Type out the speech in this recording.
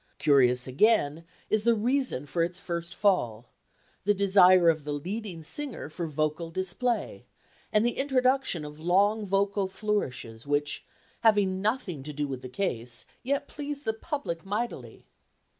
Curious again is the reason for its first fall the desire of the leading singer for vocal display, and the introduction of long vocal flourishes, which, having nothing to do with the case, yet pleased the public mightily.